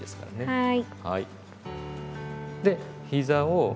はい。